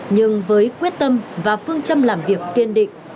nhưng với quyết tâm và phương châm làm việc kiên định